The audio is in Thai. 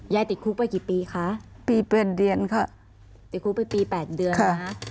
ยายติดคุกไปกี่ปีคะปีเป็นเดือนค่ะติดคุกไปปีแปดเดือนค่ะ